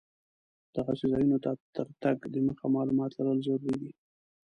دغسې ځایونو ته تر تګ دمخه معلومات لرل ضرور دي.